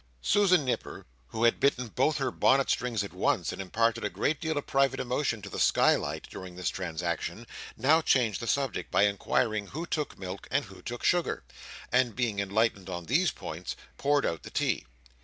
Susan Nipper, who had bitten both her bonnet strings at once, and imparted a great deal of private emotion to the skylight, during this transaction, now changed the subject by inquiring who took milk and who took sugar; and being enlightened on these points, poured out the tea.